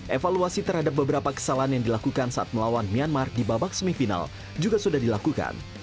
evaluasi terhadap beberapa kesalahan yang dilakukan saat melawan myanmar di babak semifinal juga sudah dilakukan